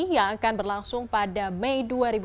yang akan berlangsung pada mei dua ribu dua puluh